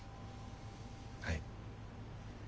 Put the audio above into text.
はい。